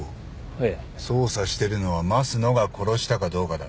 ええ。捜査してるのは益野が殺したかどうかだ。